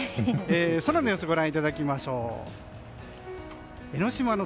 空の様子、ご覧いただきましょう。